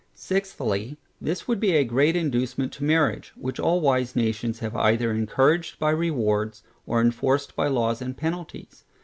Sixthly, This would be a great inducement to marriage, which all wise nations have either encouraged by rewards, or enforced by laws and penalties.